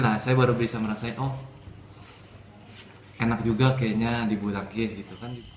nah saya baru bisa merasa oh enak juga kayaknya di bulu tangkis gitu kan